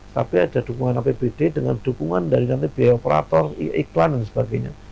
tapi ada dukungan apbd dengan dukungan dari nanti biaya operator iklan dan sebagainya